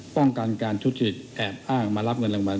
ป้องกันการทุจริตแอบอ้างมารับเงินรางวัล